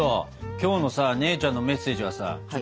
今日のさ姉ちゃんのメッセージはさ意味不明でさ。